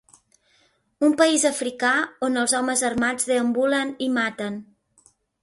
Un país africà on els homes armats deambulen i maten.